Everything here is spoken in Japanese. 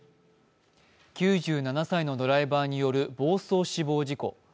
９７歳のドライバーによる暴走死亡事故。